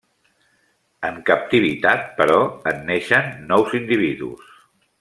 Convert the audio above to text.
En captivitat, però, en neixen nous individus.